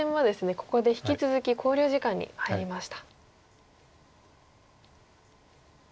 ここで引き続き考慮時間に入りました。